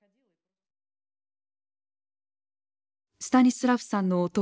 スタニスラフさんの弟